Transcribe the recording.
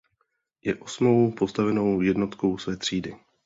Je osmou postavenou jednotkou své třídy.